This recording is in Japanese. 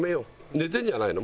寝てるんじゃないの？